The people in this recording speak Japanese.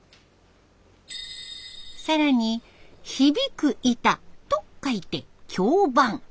更に響く板と書いて「響板」。